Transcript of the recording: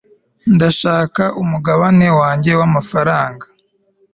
ndashaka umugabane wanjye w'amafaranga